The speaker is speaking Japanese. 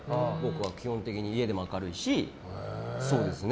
基本的に家でも明るいし。